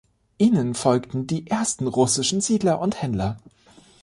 Ihnen folgten die ersten russischen Siedler und Händler.